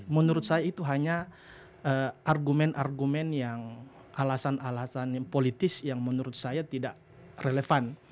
menurut saya itu hanya argumen argumen yang alasan alasan politis yang menurut saya tidak relevan